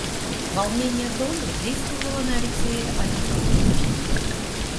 Волнение Долли действовало на Алексея Александровича.